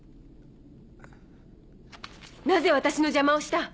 なぜ私の邪魔をした！